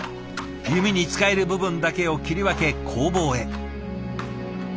弓に使える部分だけを切り分け工房へ。